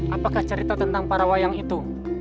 apakah cerita tentang para wayang itu